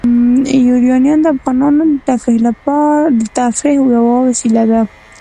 یورانیم د افغانانو د تفریح یوه وسیله ده.